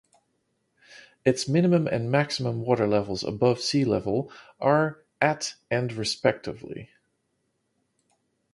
Its minimum and maximum water levels above sea level are at and respectively.